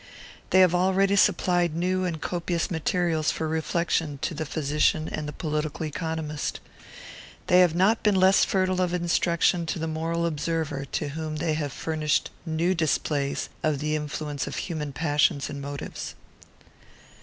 They have already supplied new and copious materials for reflection to the physician and the political economist. They have not been less fertile of instruction to the moral observer, to whom they have furnished new displays of the influence of human passions and motives.